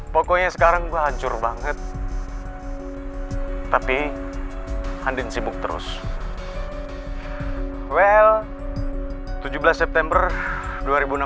pokoknya sekarang gua hancur banget tapi andin sibuk terus well tujuh belas september dua ribu enam belas adalah hari yang terburuk dalam hidup gua